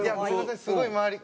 すごい周り